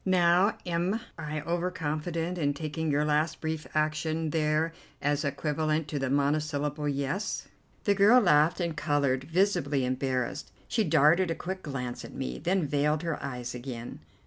Now am I over confident in taking your last brief action there as equivalent to the monosyllable 'Yes'?" The girl laughed and coloured, visibly embarrassed. She darted a quick glance at me, then veiled her eyes again.